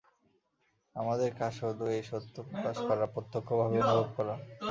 আমাদের কাজ শুধু এই সত্য প্রকাশ করা, প্রত্যক্ষভাবে অনুভব করা।